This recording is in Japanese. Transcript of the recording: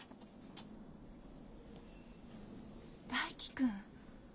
大樹君。